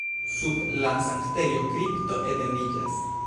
Sub la sanktejo kripto etendiĝas.